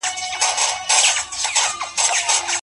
که پلار او مور فلمونه ګوري، ماشومان هم فلمونه ګوري.